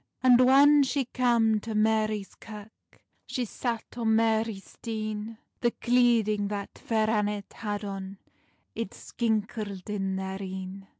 And whan she cam to Marie's Kirk, She sat on Marie's stean: The cleading that Fair Annet had on It skinkled in their een.